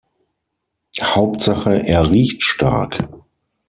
Hauptsache er riecht stark.